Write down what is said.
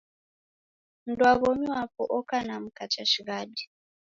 Mndwawomi wapo oka na mka chashighadi